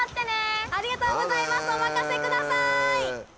お任せください！